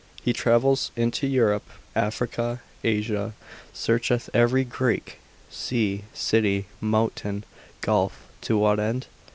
He travels into Europe, Africa, Asia, searcheth every creek, sea, city, mountain, gulf, to what end?